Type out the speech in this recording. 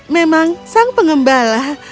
memang sang pengembala